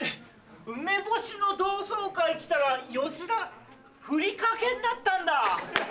梅干しの同窓会来たらヨシダふりかけになったんだ。